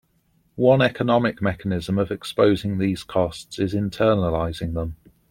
One economic mechanism of exposing these costs is internalizing them.